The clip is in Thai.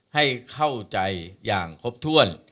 ให้เข้าใจอย่างครบถ้วน